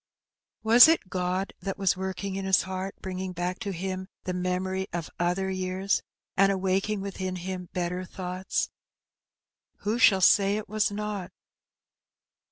Was it God that was working in his heart, bringing back to him the memories of other years, and awaking within him better thoughts ? Who shall say it was not